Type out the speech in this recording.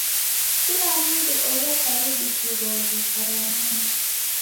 Kila mndu orekaribishiroghe karamunyi.